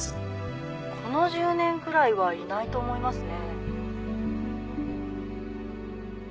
この１０年くらいはいないと思いますね・・